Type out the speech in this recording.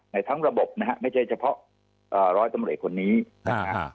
ในทั้งระบบนะฮะไม่ใช่เฉพาะร้อยตำรวจเอกคนนี้นะฮะ